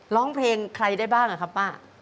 ร้องเพลงใครได้บ้างอะครับป้า